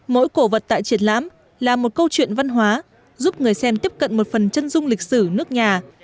mỗi cổ vật tại triển lãm là một câu chuyện văn hóa giúp người xem tiếp cận một phần chân dung lịch sử nước nhà